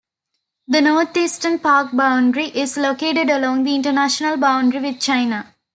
The northeastern park boundary is located along the international boundary with China.